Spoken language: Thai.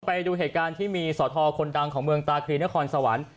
ไปดูเหตุการณ์ที่มีสอทรคนดังของเมืองตาคลีนครสวรรค์